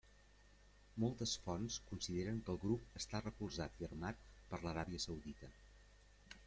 Moltes fonts consideren que el grup està recolzat i armat per l'Aràbia Saudita.